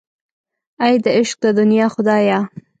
اې د عشق د دنیا خدایه.